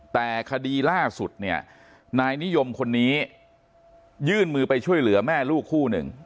แต่คดีล่าสุดเนี่ยนายนิยมคนนี้ยื่นมือไปช่วยเหลือแม่ลูกคู่หนึ่ง